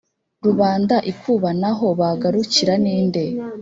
Rubanda ikubanaho bagarukira, ni nde ?"